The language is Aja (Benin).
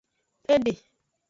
Ede.